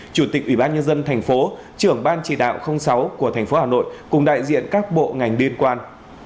chủ tịch ủy ban nhân dân tp trưởng ban chỉ đạo sáu tp hà nội cùng đại diện các bộ ngành biên quan